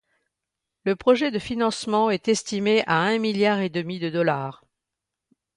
Le projet de financement est estimé à un milliard et demi de dollars.